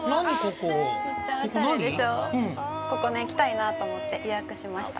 ここね来たいなと思って予約しました